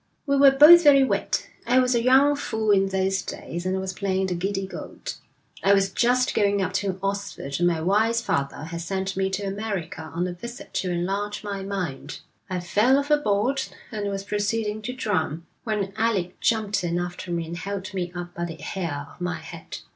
'We were both very wet. I was a young fool in those days, and I was playing the giddy goat I was just going up to Oxford, and my wise father had sent me to America on a visit to enlarge my mind I fell over board, and was proceeding to drown, when Alec jumped in after me and held me up by the hair of my head.'